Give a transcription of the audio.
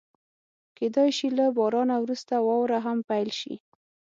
کېدای شي له بارانه وروسته واوره هم پيل شي.